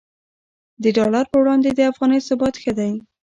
د ډالر پر وړاندې د افغانۍ ثبات ښه دی